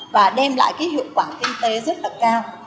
và đem lại cái hiệu quả kinh tế rất là cao